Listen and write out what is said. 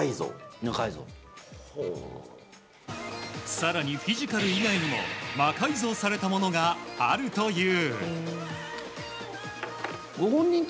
更にフィジカル以外にも魔改造されたものがあるという。